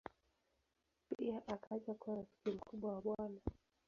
Pia akaja kuwa rafiki mkubwa wa Bw.